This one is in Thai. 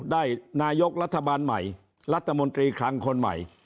ได้นายกรัฐบาลใหม่รัฐมนตรีคลังคนใหม่